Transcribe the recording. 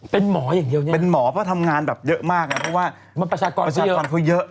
เป็นหมออย่างเดียวเนี่ยเป็นหมอเพราะทำงานแบบเยอะมากนะเพราะว่ามันประชากรประชากรเขาเยอะ